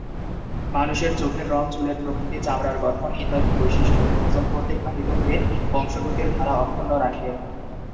মানুষের চোখের রং, চুলের প্রকৃতি, চামড়ার গঠন ইত্যাদি বৈশিষ্ট্য ক্রোমোজোম কর্তৃক বাহিত হয়ে বংশগতির ধারা অক্ষুণ্ণ রাখে।